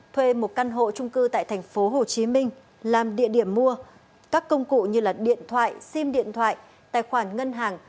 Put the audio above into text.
thuê một căn hộ trung cư tại thành phố hồ chí minh làm địa điểm mua các công cụ như điện thoại sim điện thoại tài khoản ngân hàng